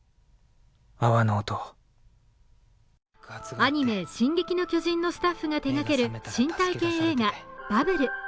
アニメ「進撃の巨人」のスタッフが手がける新体験映画「バブル」。